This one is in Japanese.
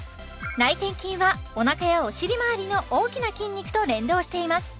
内転筋はおなかやお尻まわりの大きな筋肉と連動しています